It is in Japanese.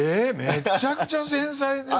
めちゃくちゃ繊細ですよ。